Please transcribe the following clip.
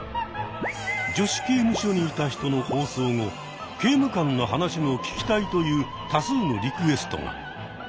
「女子刑務所にいた人」の放送後「刑務官の話も聞きたい」という多数のリクエストが！